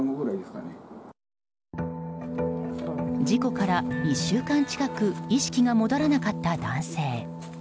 事故から１週間近く意識が戻らなかった男性。